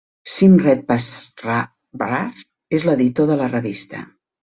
Simret Bassra-Brar és l"editor de la revista.